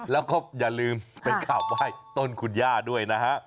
แล้วก็อย่าลืมไปกราบไหว้ต้นคุณย่าด้วยนะฮะ